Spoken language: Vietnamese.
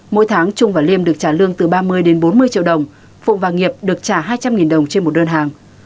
mỗi tháng trung và liêm được trả lương từ ba mươi đến bốn mươi triệu đồng phụng và nghiệp được trả hai trăm linh đồng trên một đơn hàng